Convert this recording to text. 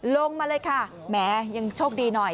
ลงมาเลยค่ะแหมยังโชคดีหน่อย